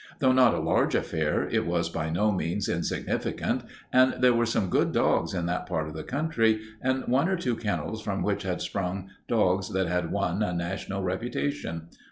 Though not a large affair, it was by no means insignificant, for there were some good dogs in that part of the country and one or two kennels from which had sprung dogs that had won a national reputation.